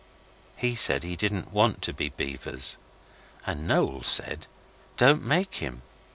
He said he didn't want to be beavers. And Noel said 'Don't make him.